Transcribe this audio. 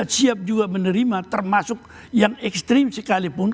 siap juga menerima termasuk yang ekstrim sekalipun